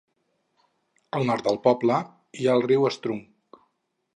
Al nord del poble, hi ha el riu Strug.